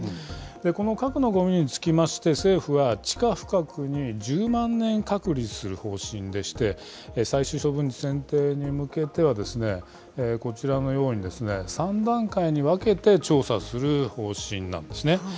この核のごみにつきまして、政府は、地下深くに１０万年隔離する方針でして、最終処分地選定に向けては、こちらのように３段階に分けて調査する方針なんですね。